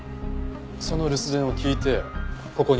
その留守電を聞いてここに戻ったの？